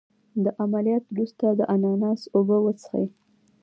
د عملیات وروسته د اناناس اوبه وڅښئ